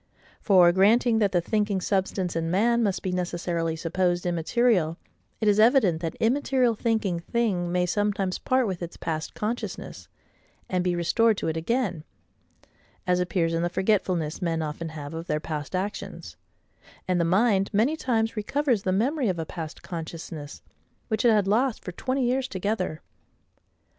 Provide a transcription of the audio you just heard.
For, granting that the thinking substance in man must be necessarily supposed immaterial, it is evident that immaterial thinking thing may sometimes part with its past consciousness, and be restored to it again: as appears in the forgetfulness men often have of their past actions; and the mind many times recovers the memory of a past consciousness, which it had lost for twenty years together.